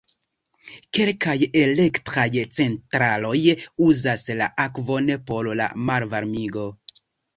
Kelkaj elektraj centraloj uzas la akvon por la malvarmigo.